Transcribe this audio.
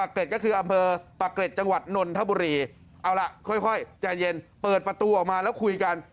ก็คืออำนาจประเก็จจังหวัดนนทบุรีเอาล่ะค่อยแต่หยินเปิดประตูออกมาแล้วคุยกัน